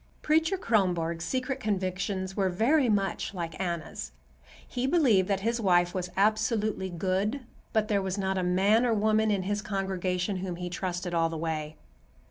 Preacher Kronborg's secret convictions were very much like Anna's. He believed that his wife was absolutely good, but there was not a man or woman in his congregation whom he trusted all the way.